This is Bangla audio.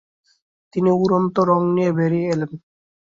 তিনি উড়ন্ত রঙ নিয়ে বেরিয়ে এলেন।